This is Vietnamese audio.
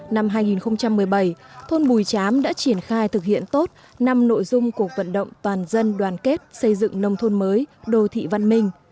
năm hai nghìn một mươi bảy thôn bùi chám đã triển khai thực hiện tốt năm nội dung cuộc vận động toàn dân đoàn kết xây dựng nông thôn mới đô thị văn minh